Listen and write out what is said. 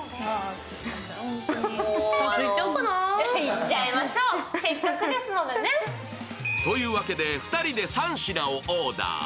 いっちゃいましょう、せっかくですので、ね。というわけで、２人で３品をオーダー。